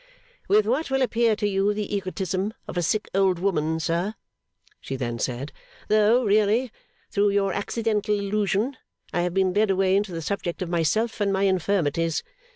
'With what will appear to you the egotism of a sick old woman, sir,' she then said, 'though really through your accidental allusion, I have been led away into the subject of myself and my infirmities.